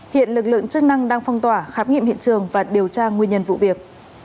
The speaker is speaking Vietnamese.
hiện lực lượng chức năng đang phong tỏa khám nghiệm hiện trường và điều tra nguyên nhân vụ việc